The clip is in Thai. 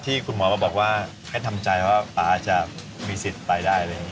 ที่คุณหมอมาบอกว่าให้ทำใจว่าป่าจะมีสิทธิ์ไปได้เลย